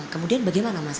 kemudian bagaimana mas